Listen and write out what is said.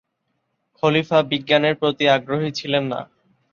খলিফা বিজ্ঞানের প্রতি আগ্রহী ছিলেন না।